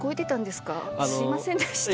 すいませんでした。